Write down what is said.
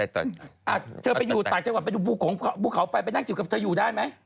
เธอไปอยู่ต่างจังหวัดไปดูภูเขาไฟไปนั่งจิบกับเธออยู่ได้ไหม